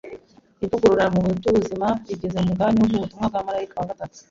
ivugurura mu by’ubuzima rigize umugabane w’ubutumwa bwa marayika wa gatatu